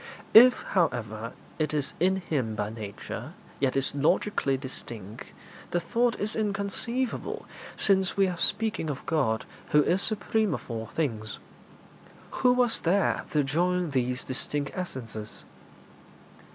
If, however, it is in Him by nature, yet is logically distinct, the thought is inconceivable, since we are speaking of God, who is supreme of all things. Who was there to join these distinct essences?